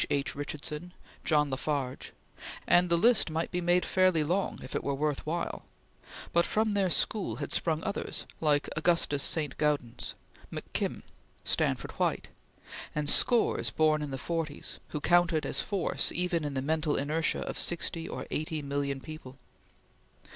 H. Richardson; John La Farge; and the list might be made fairly long if it were worth while; but from their school had sprung others, like Augustus St. Gaudens, McKim, Stanford White, and scores born in the forties, who counted as force even in the mental inertia of sixty or eighty million people.